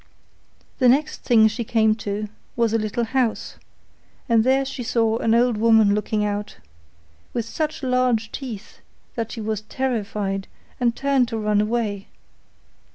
The next thing she came to was a little house, and there she saw an old woman looking out, with such large teeth, that she was terrified, and turned to run away.